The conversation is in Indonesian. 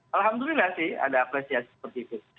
alhamdulillah sih ada apresiasi seperti itu